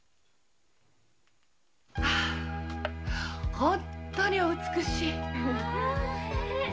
本当にお美しい。